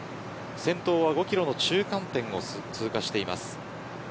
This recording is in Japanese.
先頭は５キロの中間点を通過しています。